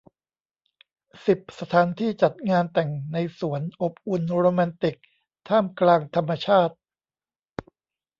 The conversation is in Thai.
สิบ สถานที่จัดงานแต่งในสวน อบอุ่น โรแมนติก ท่ามกลางธรรมชาติ